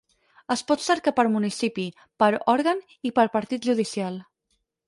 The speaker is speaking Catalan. Es pot cercar per municipi, per òrgan i per partit judicial.